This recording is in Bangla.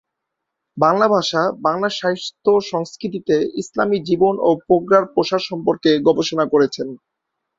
বাংলা ভাষা, বাংলা সাহিত্য-সংস্কৃতিতে ইসলামি জীবন ও প্রজ্ঞার প্রসার সম্পর্কে গবেষণা করেছেন।